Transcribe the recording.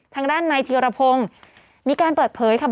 ทางด้านนายธีรพงศ์มีการเปิดเผยค่ะ